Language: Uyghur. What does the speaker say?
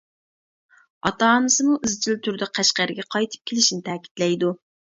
ئاتا-ئانىسىمۇ ئىزچىل تۈردە قەشقەرگە قايتىپ كېلىشىنى تەكىتلەيدۇ.